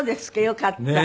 よかった。